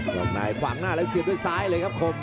อกในขวางหน้าแล้วเสียบด้วยซ้ายเลยครับคม